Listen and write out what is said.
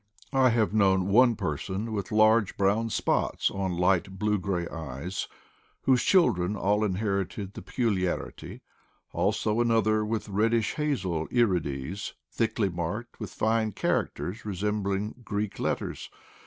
I have known one per son with large brown spots on light blue gray CONCEBNING EYES 183 eyes, whose children all inherited the peculiarity; also another with reddish hazel irides thickly marked with fine characters resembling Greek let ters.